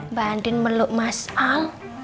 mbak andin meluk mas al